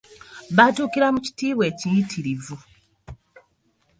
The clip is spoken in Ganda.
Baatuukira mu kitiibwa ekiyitirivu.